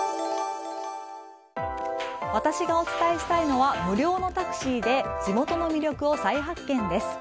私がお伝えしたいのは無料のタクシーで地元の魅力を再発見です。